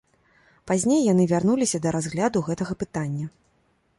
Пазней яны вярнуліся да разгляду гэтага пытання.